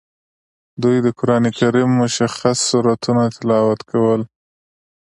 دوی د قران کریم مشخص سورتونه تلاوت کول.